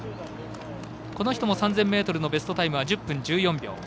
この人も３０００ｍのベストタイムは１０分１４秒。